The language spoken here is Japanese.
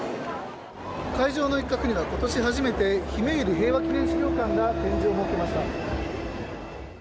会場の一角には、ことし初めて、ひめゆり平和祈念資料館が展示を設けました。